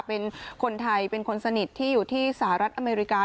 เป็นคนไทยเป็นคนสนิทที่อยู่ที่สหรัฐอเมริกา